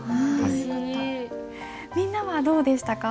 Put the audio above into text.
みんなはどうでしたか？